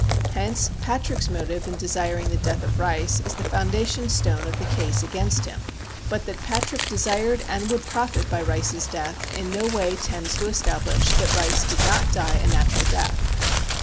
Hence Patrick's motive in desiring the death of Rice is the foundation stone of the case against him. But that Patrick desired and would profit by Rice's death in no way tends to establish that Rice did not die a natural death.